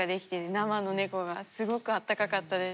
生の「猫」がすごくあったかかったです。